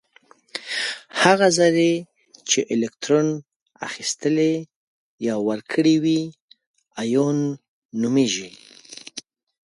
هغه ذرې چې الکترون اخیستلی یا ورکړی وي ایون نومیږي.